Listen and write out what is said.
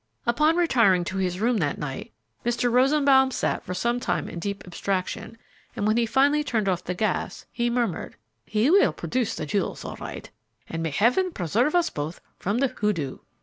Upon retiring to his room that night, Mr. Rosenbaum sat for some time in deep abstraction, and when he finally turned off the gas, he murmured, "He will produce the jewels all right, and may heaven preserve us both from the hoodoo!"